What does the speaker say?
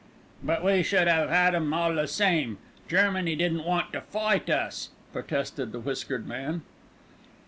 "But we should 'ave 'ad 'em all the same; Germany didn't want to fight us," protested the whiskered man.